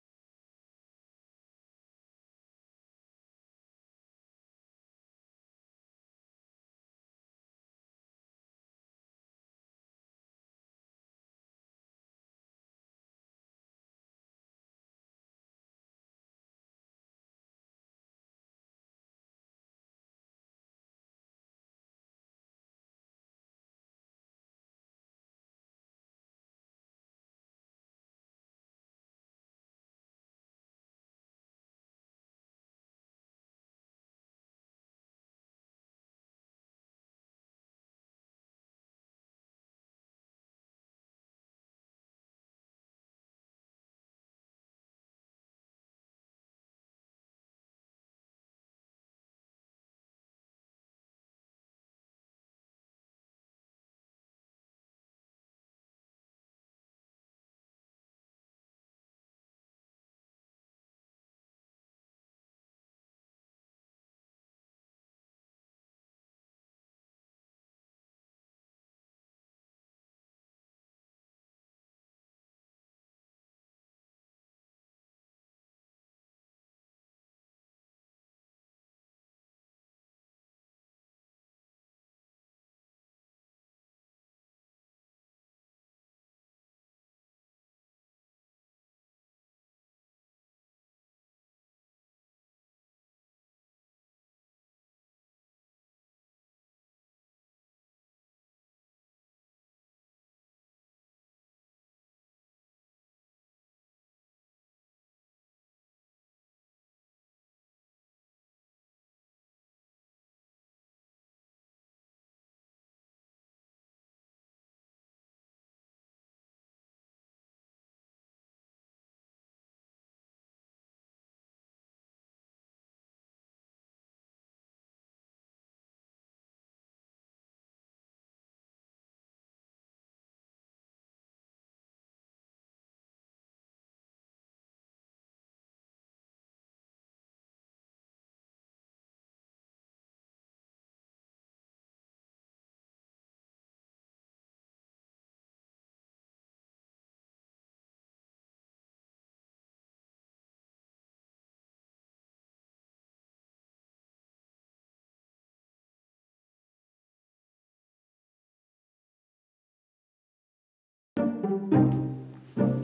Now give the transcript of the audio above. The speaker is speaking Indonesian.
ya udah deh